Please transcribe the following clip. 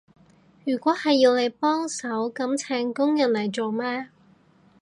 如果係要你幫手，噉請工人嚟做咩？